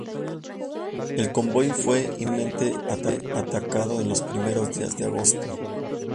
El convoy fue implacablemente atacado en los primeros días de agosto.